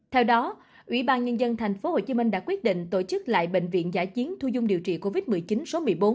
theo đó ủy ban nhân dân tp hcm đã quyết định tổ chức lại bệnh viện giả chiến thu dung điều trị covid một mươi chín số một mươi bốn